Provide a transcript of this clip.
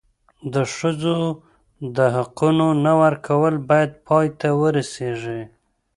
د ښځو د حقونو نه ورکول باید پای ته ورسېږي.